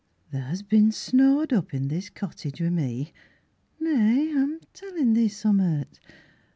Tha's been snowed up i' this cottage wi' me, Nay, I'm tellin' thee summat.